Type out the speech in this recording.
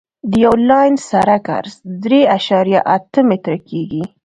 د یو لاین سرک عرض درې اعشاریه اته متره کیږي